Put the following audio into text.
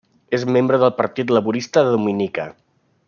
És membre del Partit Laborista de Dominica.